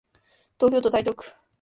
東京都台東区